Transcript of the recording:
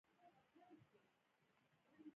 د بشر حقونه په عملي توګه خوندي وي.